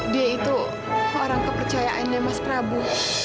dia itu orang kepercayaannya mas prabu